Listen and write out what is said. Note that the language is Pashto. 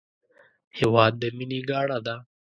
هېواد د مینې ګاڼه ده